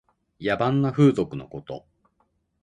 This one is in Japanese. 野蛮な風俗のこと。